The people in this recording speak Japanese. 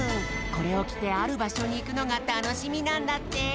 これを着てある場所に行くのがたのしみなんだって。